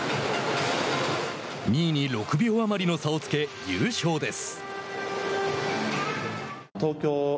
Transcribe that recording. ２位に６秒余りの差をつけ優勝です。